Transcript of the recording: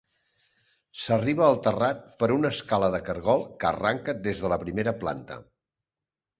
S'arriba al terrat per una escala de caragol que arranca des de la primera planta.